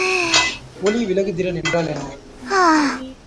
ஒளி விலகுதிறன் என்றால் என்ன?